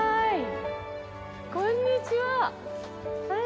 こんにちは。